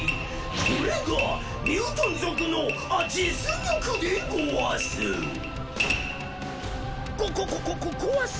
これがミュートン族のあ実力でごわす！